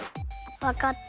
わかった。